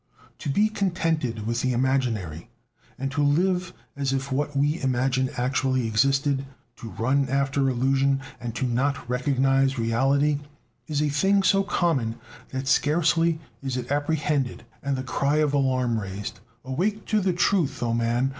To be contented with the imaginary, and to live as if what we imagine actually existed; to run after illusion, and "not to recognize" reality, is a thing so common that scarcely is it apprehended, and the cry of alarm raised: "Awake to truth, O man!"